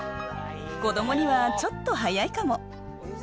子どもにはちょっと早いかも。